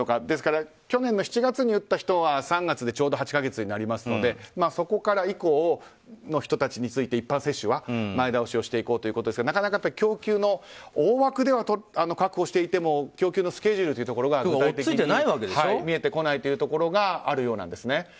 ですから去年の７月に打った人は３月でちょうど８か月になりますのでそこから以降の人たちの一般接種は前倒しをしようということですがなかなか供給の大枠では確保していても供給のスケジュールが見えてこないというところがあるようです。